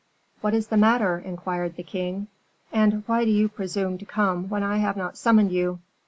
"What is the matter?" inquired the king, "and why do you presume to come when I have not summoned you?"